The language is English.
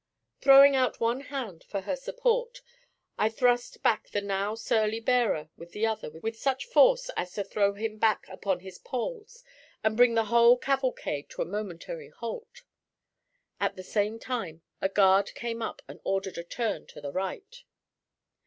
Throwing out one hand for her support, I thrust back the now surly bearer with the other with such force as to throw him back upon his poles and bring the whole cavalcade to a momentary halt. At the same time a guard came up and ordered a turn to the right.